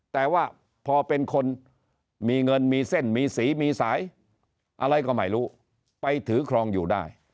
แต่ว่าพอเป็นคนมีเงินมีเส้นมีสีมีสายอะไรก็ไม่รู้ไปถือครองอยู่ได้